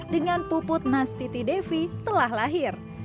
dengan puput nastiti devi telah lahir